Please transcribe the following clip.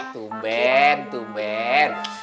tuh ben tuh ben